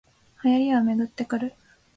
流行りはめぐってくる